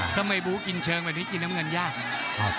ถ้าไม่บู้กินเชิงแบบนี้กินน้ำเงินยาก